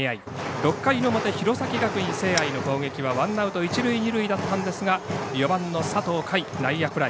６回の表、弘前学院聖愛の攻撃はワンアウト一塁二塁だったんですが４番の佐藤海、内野フライ。